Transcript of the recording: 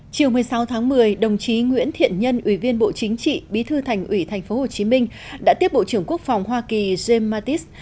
chiều một mươi sáu tháng một mươi đồng chí nguyễn thiện nhân ủy viên bộ chính trị bí thư thành ủy tp hcm đã tiếp bộ trưởng quốc phòng hoa kỳ james mattis